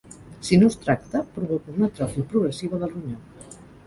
Si no es tracta, provoca una atròfia progressiva del ronyó.